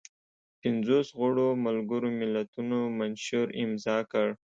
پنځوس غړو ملګرو ملتونو منشور امضا کړ.